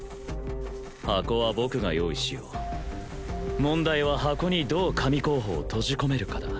箱は僕が用意しよう問題は箱にどう神候補を閉じ込めるかだ